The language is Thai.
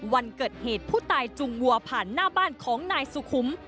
วันเกิดเหตุผู้ตายจุงวัวผ่านหน้าบ้านของนายสุขุม